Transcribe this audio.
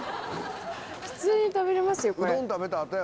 普通に食べれますよこれ。